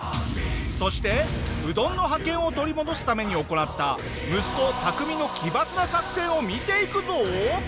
そしてうどんの覇権を取り戻すために行った息子タクミの奇抜な作戦を見ていくぞ。